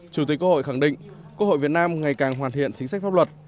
chủ tịch quốc hội khẳng định quốc hội việt nam ngày càng hoàn thiện chính sách pháp luật